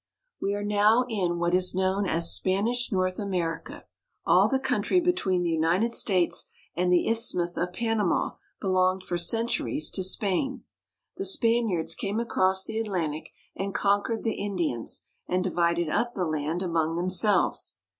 We are now in what is known as Spanish North Amer 330 MEXICO. Straw Cottages — M exico. ica. All the country between the United States and the Isthmus of Panama belonged for centuries to Spain. The Spaniards came across the Atlantic and conquered the Indians, and divided up the land among themselves.